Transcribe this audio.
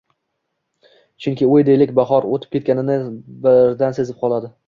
Chunki u, deylik, bahor oʻtib ketganini birdan sezib qoladi